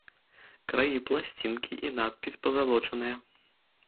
Краі пласцінкі і надпіс пазалочаныя.